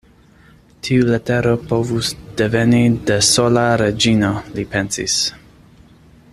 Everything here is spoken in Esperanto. Tiu letero povus deveni de sola Reĝino, li pensis.